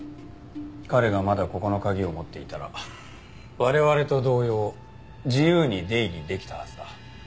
彼がまだここの鍵を持っていたら我々と同様自由に出入りできたはずだ。